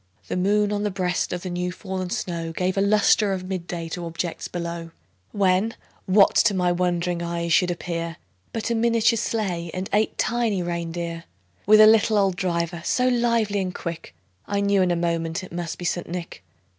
The moon, on the breast of the new fallen snow, Gave a lustre of mid day to objects below; When, what to my wondering eyes should appear, But a miniature sleigh, and eight tiny rein deer, With a little old driver, so lively and quick, I knew in a moment it must be St. Nick.